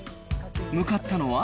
向かったのは。